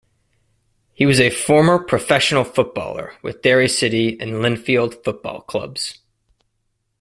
He was a former professional footballer with Derry City and Linfield Football Clubs.